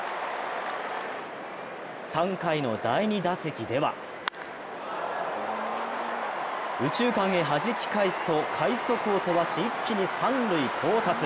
３回の第２打席では右中間へはじき返すと快速を飛ばし一気に三塁到達。